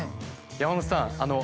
山本さん。